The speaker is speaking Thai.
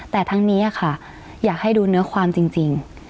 แต่ทั้งนี้ค่ะอยากให้ดูเนื้อความจริง